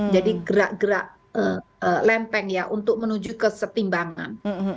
jadi gerak gerak lempeng ya untuk menuju kesetimbangan